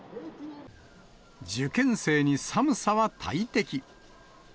受験生に寒さは大敵。